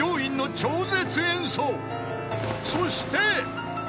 ［そして］